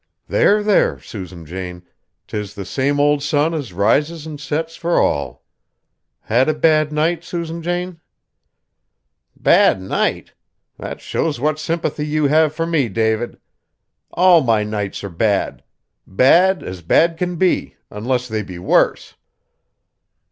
"There, there, Susan Jane, 't is the same old sun as rises an' sets fur all. Had a bad night, Susan Jane?" "Bad night! that shows what sympathy you have for me, David. All my nights are bad. Bad as bad can be, unless they be worse!"